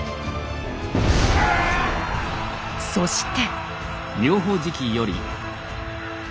そして。